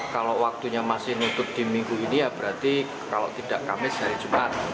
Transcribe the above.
kalau waktunya masih nutup di minggu ini ya berarti kalau tidak kamis hari jumat